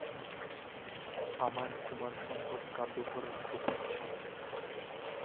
আমার কুমারসম্ভব কাব্য পড়ার খুব ইচ্ছা।